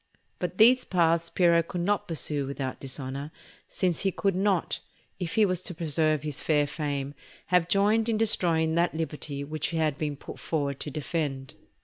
But these paths Piero could not pursue without dishonour, since he could not, if he was to preserve his fair fame, have joined in destroying that liberty which he had been put forward to defend.